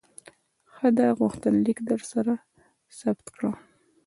ښه ده، غوښتنلیک درسره ثبت کړه.